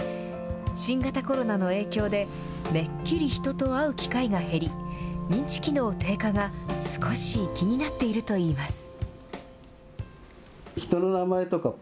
新型コロナの影響で、めっきり人と会う機会が減り、認知機能低下が少し気になっているといいます。